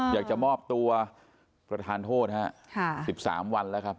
อยากจะมอบตัวประธานโทษฮะ๑๓วันแล้วครับ